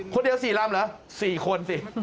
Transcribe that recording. คนเดียว๔ลำเหรอ๔คนสิ